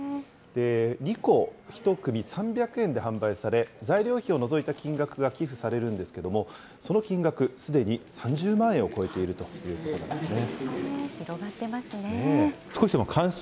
２個１組３００円で販売され、材料費を除いた金額が寄付されるんですけれども、その金額、すでに３０万円を超えているということなんですね。